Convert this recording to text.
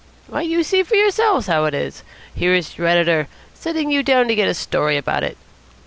Why, you see for yourselves how it is. Here is your editor sending you down to get a story about it.